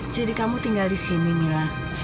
jadi kamu tinggal di sini mia